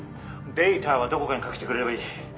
データはどこかに隠してくれればいい。